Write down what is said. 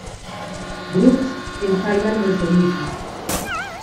Brooks en Final Resolution.